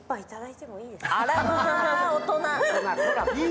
あらま大人。